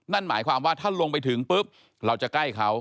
นั่นหมายความว่าถ้าลงไปถึงปุ๊บเราจะใกล้เขา